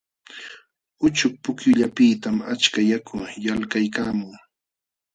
Uchuk pukyullapiqtam achka yaku yalqaykaamun.